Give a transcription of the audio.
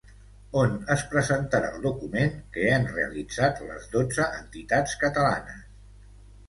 On es presentarà el document que han realitzat les dotze entitats catalanes?